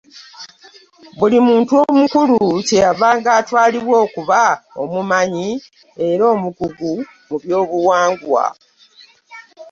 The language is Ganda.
Buli muntu mukulu kye yavanga atwalibwa okuba omumanyi era omukugu mu by'obuwangwa.